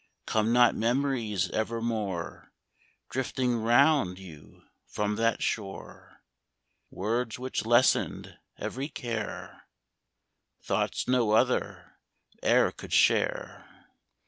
Come not memories evermore Drifting round you from that shore ? Words which lessened every care, Thoughts no other e'er could share.